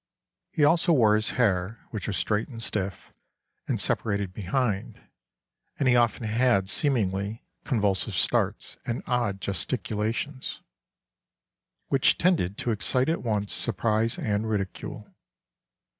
He also wore his hair, which was straight and stiff, and separated behind; and he often had, seemingly, convulsive starts and odd gesticulations, which tended to excite at once surprise and ridicule.